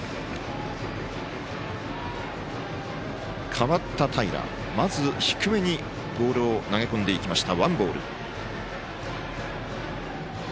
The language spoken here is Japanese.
代わった平、まず低めにボールを投げ込んでいきました。